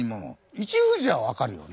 「一富士」は分かるよね。